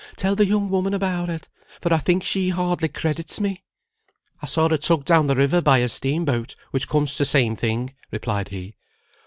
Tell the young woman about it, for I think she hardly credits me." "I saw her tugged down the river by a steam boat, which comes to same thing," replied he.